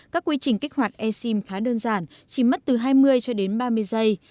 các quy trình kích hoạt e sim khá đơn giản chỉ mất từ hai mươi cho đến ba mươi giây